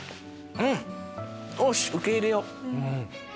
うんよし受け入れよう！